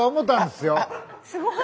すごい。